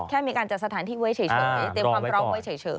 แค่มีการจัดสถานที่เว้ยเฉยเต็มความรอบเว้ยเฉย